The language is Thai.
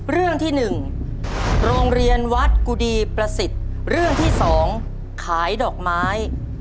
เรื่องที่๑โรงเรียนวัดกุดีประสิทธิ์เรื่องที่๒ขายดอกไม้